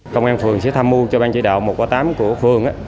công an phường sẽ tham mưu cho ban chỉ đạo một qua tám của phường